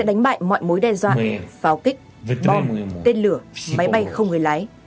và đánh mạnh mọi mối đe dọa pháo kích bom tên lửa máy bay không người lái